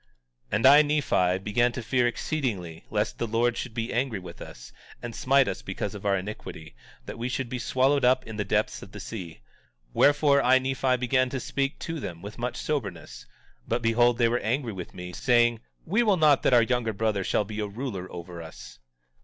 18:10 And I, Nephi, began to fear exceedingly lest the Lord should be angry with us, and smite us because of our iniquity, that we should be swallowed up in the depths of the sea; wherefore, I, Nephi, began to speak to them with much soberness; but behold they were angry with me, saying: We will not that our younger brother shall be a ruler over us.